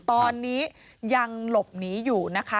ตอนนี้ยังหลบหนีอยู่นะคะ